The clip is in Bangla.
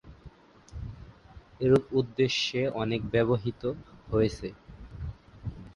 এরুপ উদ্দেশ্যে অনেক ব্যবহৃত হয়েছে।